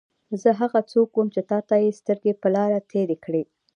زه هغه څوک وم چې تا ته یې سترګې په لار تېرې کړې.